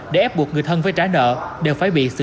để ép buộc người thân phải trả nợ đều phải bị xử lý hình sự